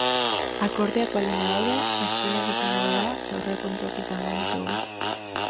Akordioak baldin badaude, bazkideak izango gara eta aurrekontuak izango ditugu.